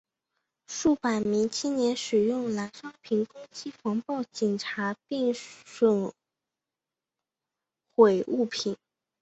数百名青年使用燃烧瓶攻击防暴警察并损毁物品。